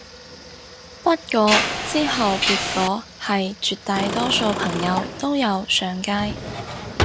不過之後結果係絕大多數朋友都有上街